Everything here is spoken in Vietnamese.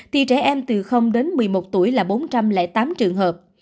thì trẻ em từ đến một mươi một tuổi là bốn trăm linh tám trường hợp